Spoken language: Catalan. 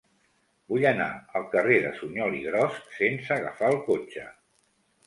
Vull anar al carrer de Suñol i Gros sense agafar el cotxe.